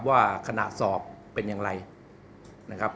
ว่าขณะสอบเป็นอย่างไรนะครับ